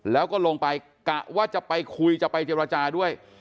แล้วก็ลงไปกะว่าจะไปคุยจะไปเจรจาด้วย